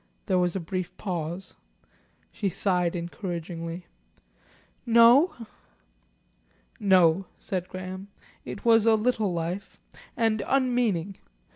There was a brief pause. She sighed encouragingly. "No?" "No," said Graham. "It was a little life and unmeaning.